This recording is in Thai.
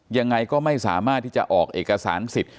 ยังไงก็ไม่สามารถที่จะออกเอกสารสิทธิ์